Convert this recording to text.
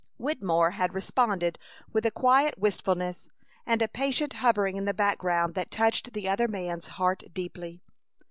Wittemore had responded with a quiet wistfulness and a patient hovering in the background that touched the other man's heart deeply.